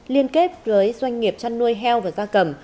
liên kết với doanh nghiệp chăn nuôi heo và da cầm